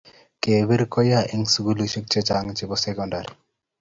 kepir ko yaa eng sukulisiek chechang chepo sekondari